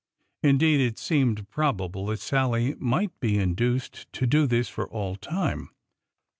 Indeed, it seemed probable that Sallie might be induced to do this for all time.